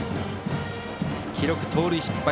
記録、盗塁失敗。